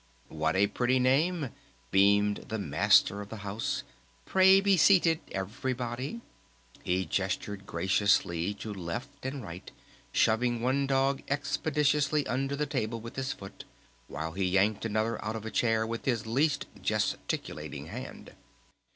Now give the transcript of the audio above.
"What a pretty name," beamed the Master of the House. "Pray be seated, everybody," he gestured graciously to left and right, shoving one dog expeditiously under the table with his foot, while he yanked another out of a chair with his least gesticulating hand.